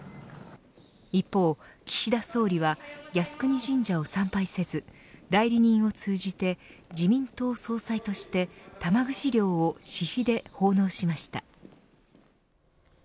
一方、岸田総理は靖国神社を参拝せず代理人を通じて自民党総裁として玉串料を私費で奉納しました。